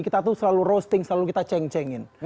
kita tuh selalu roasting selalu kita ceng cengin